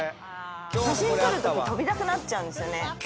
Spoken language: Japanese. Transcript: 「写真撮るとき跳びたくなっちゃうんですよね」